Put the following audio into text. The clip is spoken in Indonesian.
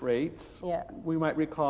dan dengan as menambahkan harga